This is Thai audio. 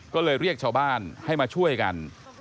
ก็เลยเรียกชาวบ้านให้มาช่วยกัน